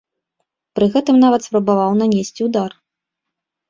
Пры гэтым нават спрабаваў нанесці ўдар.